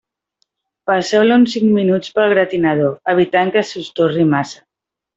Passeu-la uns cinc minuts pel gratinador, evitant que se us torri massa.